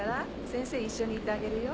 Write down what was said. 先生一緒にいてあげるよ。